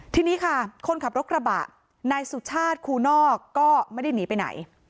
ทีนี้ค่ะคนขับรถกระบะนายสุชาติครูนอกก็ไม่ได้หนีไปไหน